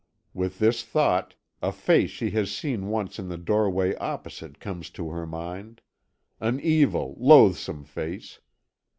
With this thought, a face she has seen once in the doorway opposite comes to her mind; an evil, loathsome face.